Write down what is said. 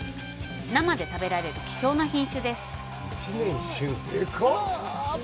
生で食べられる希少な品種です。